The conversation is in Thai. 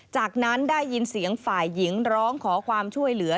จากนั้นได้ยินเสียงฝ่ายหญิงร้องขอความช่วยเหลือ